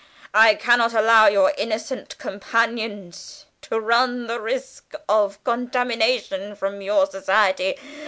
I cannot allow your innocent companions to run the risk of contamination from your society.